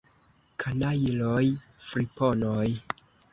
Kanajloj, friponoj!